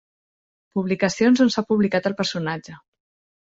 Publicacions on s'ha publicat el personatge.